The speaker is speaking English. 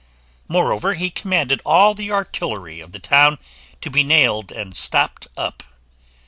Moreover, he commanded all the artillery of the town to be nailed and stopped up.